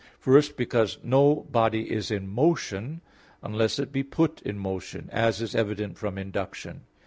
First, because no body is in motion unless it be put in motion, as is evident from induction.